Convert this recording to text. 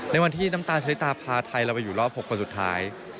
ในวันที่น้ำตาลชะลิตาพาไทยเราไปอยู่รอบ๖คนสุดท้าย